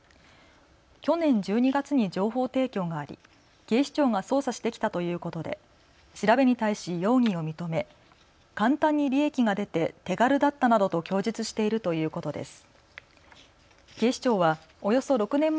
去年１２月に情報提供があり警視庁が捜査してきたということで調べに対し容疑を認め簡単に利益が出て手軽だったなどと供述しているということです。